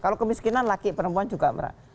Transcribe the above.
kalau kemiskinan laki perempuan juga